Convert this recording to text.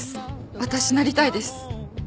私なりたいです。